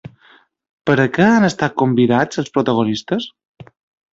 Per a què han estat convidats els protagonistes?